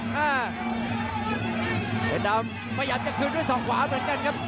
เพชรดำพยายามจะคืนด้วยสองขวาเหมือนกันครับ